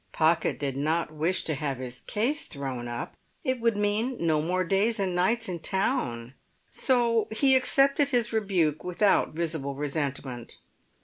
Pocket did not wish to have his case thrown up; it would mean no more days and nights in town. So he accepted his rebuke without visible resentment.